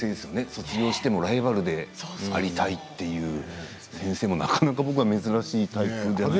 卒業してもライバルでありたいという先生もなかなか僕は珍しいタイプかと。